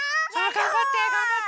がんばってがんばって！